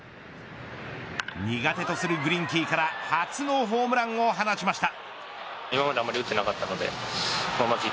苦手とするグリンキーから初のホームランを放ちました。